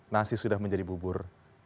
nasi sudah menjadi bubur